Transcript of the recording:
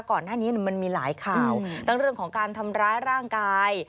ก่อนหน้านี้มันมีหลายข่าวทั้งเรื่องของการทำร้ายร่างกาย